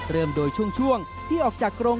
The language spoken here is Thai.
เริ่มโดยช่วงที่ออกจากกรง